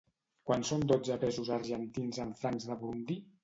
Quant són dotze pesos argentins en francs de Burundi?